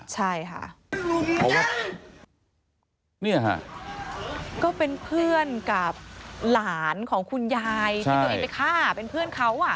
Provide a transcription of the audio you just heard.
ใช่ค่ะเพราะว่าเนี่ยค่ะก็เป็นเพื่อนกับหลานของคุณยายที่ตัวเองไปฆ่าเป็นเพื่อนเขาอ่ะ